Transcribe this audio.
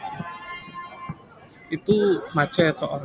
dan di sana juga ada yang di nusa dua